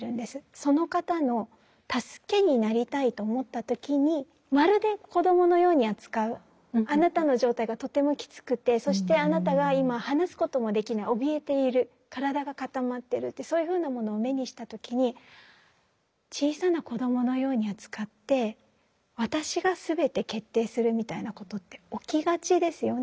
その方の助けになりたいと思った時にまるで子どものように扱うあなたの状態がとてもきつくてそしてあなたが今話すこともできないおびえている体が固まってるってそういうふうなものを目にした時に小さな子どものように扱って私が全て決定するみたいなことって起きがちですよね。